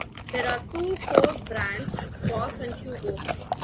There are two core brands, Boss and Hugo.